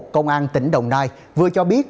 công an tỉnh đồng nai vừa cho biết